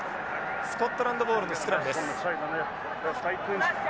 スコットランドボールのスクラムです。